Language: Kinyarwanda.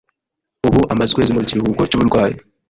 Ubu amaze ukwezi mu kiruhuko cy’uburwayi.